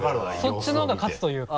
そっちのほうが勝つというか。